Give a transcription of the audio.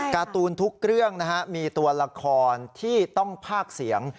การ์ตูนทุกเรื่องนะฮะมีตัวละครที่ต้องภาคเสียง